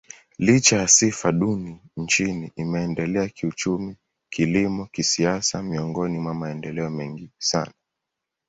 Licha ya sifa duni nchini, imeendelea kiuchumi, kilimo, kisiasa miongoni mwa maendeleo mengi sana.